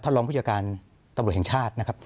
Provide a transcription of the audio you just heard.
รองผู้จัดการตำรวจแห่งชาตินะครับ